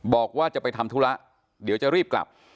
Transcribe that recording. บอกว่าจะไปทำธุระเดี๋ยวจะรีบกลับ